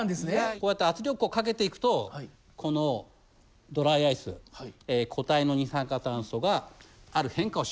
こうやって圧力をかけていくとこのドライアイス固体の二酸化炭素がある変化をします。